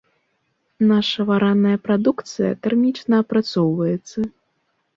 Наша вараная прадукцыя тэрмічна апрацоўваецца.